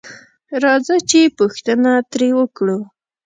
راځه چې پوښتنه تري وکړو